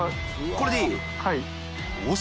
これでいい？大島）